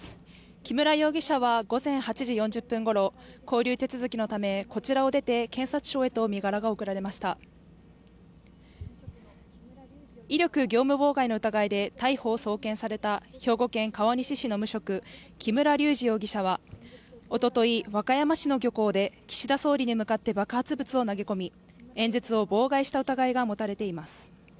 木村容疑者は午前８時４０分ごろ、拘留手続きのためこちらを出て警察署へと身柄が送られました威力業務妨害の疑いで逮捕送検された兵庫県川西市の無職木村隆二容疑者は、おととい和歌山市の漁港で岸田総理に向かって爆発物を投げ込み、演説を妨害した疑いが持たれています。